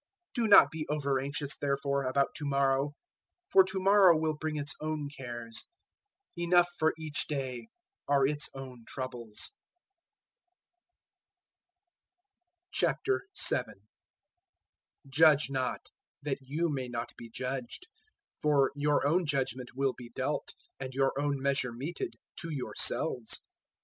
006:034 Do not be over anxious, therefore, about to morrow, for to morrow will bring its own cares. Enough for each day are its own troubles. 007:001 "Judge not, that you may not be judged; 007:002 for your own judgement will be dealt and your own measure meted to yourselves.